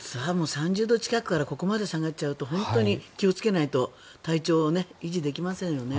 ３０度近くからここまで下がっちゃうと本当に気をつけないと体調を維持できませんよね。